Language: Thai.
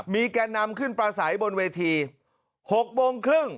มีแก่นำขึ้นประสัยบนเวที๖โมงครึ่ง